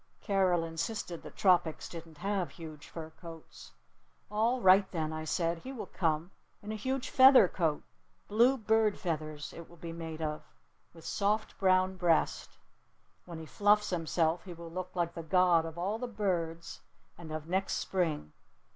Carol insisted that tropics didn't have huge fur coats. "All right, then," I said. "He will come in a huge feather coat! Blue bird feathers it will be made of! With a soft brown breast! When he fluffs himself he will look like the god of all the birds and of next Spring!